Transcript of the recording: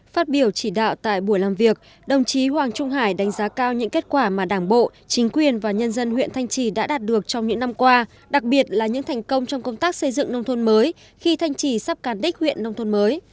phát biểu chỉ đạo tại buổi làm việc đồng chí hoàng trung hải đánh giá cao những kết quả mà đảng bộ chính quyền và nhân dân huyện thanh trì đã đạt được trong những năm qua đặc biệt là những thành công trong công tác xây dựng nông thôn mới khi thanh trì sắp cán đích huyện nông thôn mới